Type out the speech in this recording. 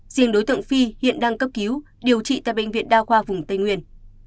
riêng đối tượng phi hiện đang cấp cứu điều trị tại bệnh viện đa khoa vùng tây nguyên